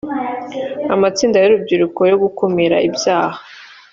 amatsinda y’ urubyiruko yo gukumira ibyaha